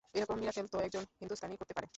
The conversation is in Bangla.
এরকম মিরাক্কেল তো একজন হিন্দুস্তানীই করতে পারে!